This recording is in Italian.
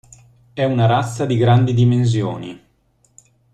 È una razza di grandi dimensioni.